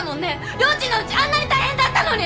りょーちんのうちあんなに大変だったのに！